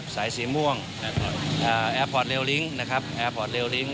สายสีม่วงแอร์พอร์ตเรียวลิ้งค์